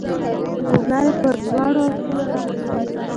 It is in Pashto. د څلورلارې پر دواړو اړخو ونې ولاړې وې.